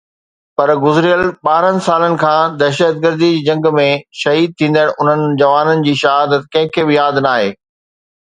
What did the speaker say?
پر گذريل ٻارهن سالن کان دهشتگردي جي جنگ ۾ شهيد ٿيندڙ انهن جوانن جي شهادت ڪنهن کي به ياد ناهي.